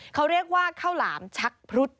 เขาเรียกว่าข้าวหลามชักพรุษ